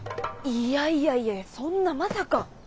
いやいやいやいやそんなまさか。